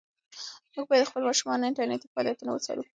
موږ باید د خپلو ماشومانو انټرنيټي فعالیتونه وڅارو.